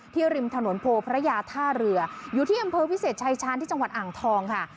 ริมถนนโพพระยาท่าเรืออยู่ที่อำเภอวิเศษชายชาญที่จังหวัดอ่างทองค่ะ